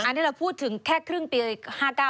อันนี้เราพูดถึงแค่ครึ่งปี๕๙